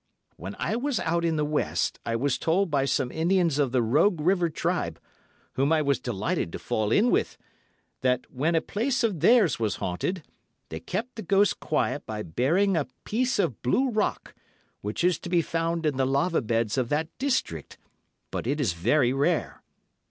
When I was out in the West, I was told by some Indians of the Rogue River tribe, whom I was delighted to fall in with, that when a place of theirs was haunted, they kept the ghost quiet by burying a piece of blue rock, which is to be found in the lava beds of that district, but is very rare.